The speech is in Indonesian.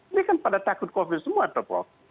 ini kan pada takut covid semua tuh prof